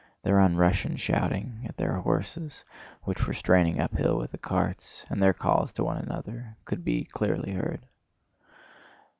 Their un Russian shouting at their horses which were straining uphill with the carts, and their calls to one another, could be clearly heard.